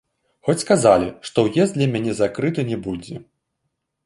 Хоць сказалі, што ўезд для мяне закрыты не будзе.